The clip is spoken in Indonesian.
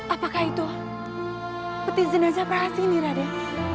apakah itu peti jenazah prahasis ini raden